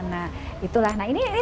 jadi kalau kita tadi ya